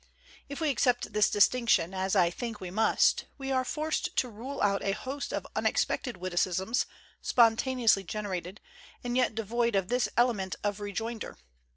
If we accept this distinction, as I think we must, we are forced to rule out a host of unex pected witticisms, spontaneously generated, and yet devoid of this element of rejoinder.